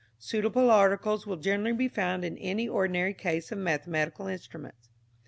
Suitable articles will generally be found in an ordinary case of mathematical instruments.